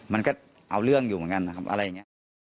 มันก็เอาเรื่องอยู่เหมือนกันนะครับอะไรอย่างนี้